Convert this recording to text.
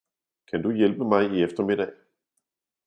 Kan du hjælpe mig i eftermiddag?